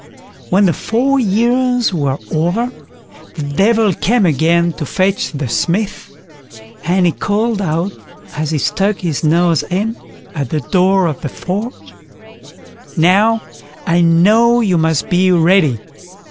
When the four years were over, the Devil came again to fetch the Smith, and he called out, as he stuck his nose in at the door of the forge: "Now, I know you must be ready."